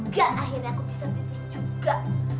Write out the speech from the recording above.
wah lega akhirnya aku bisa pipis juga